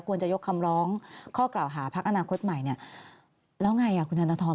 ควรจะยกคำร้องข้อกราวหาพักอนาคตใหม่